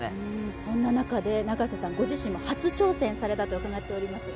そんな中で、永瀬さん、ご自身も初挑戦されたと伺っていますが。